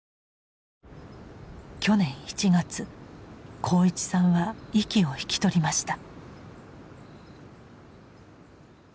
去年１月鋼一さんは息を引き取りました。